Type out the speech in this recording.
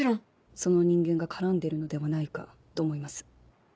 その人間が絡んでいるのではないかと思います。